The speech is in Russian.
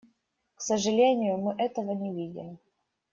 К сожалению, мы этого не видим.